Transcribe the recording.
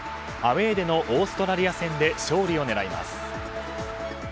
アウェーでのオーストラリア戦で勝利を狙います。